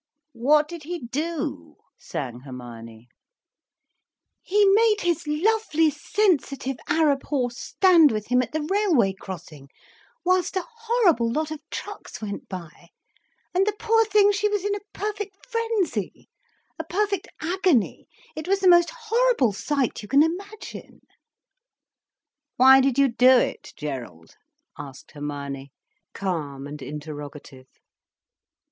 "What did he do?" sang Hermione. "He made his lovely sensitive Arab horse stand with him at the railway crossing whilst a horrible lot of trucks went by; and the poor thing, she was in a perfect frenzy, a perfect agony. It was the most horrible sight you can imagine." "Why did you do it, Gerald?" asked Hermione, calm and interrogative.